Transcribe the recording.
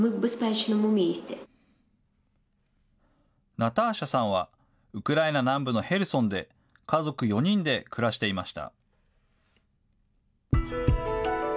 ナターシャさんは、ウクライナ南部のヘルソンで、家族４人で暮らしていました。